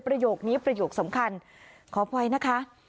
ประโยคนี้ประโยคสำคัญขออภัยนะคะ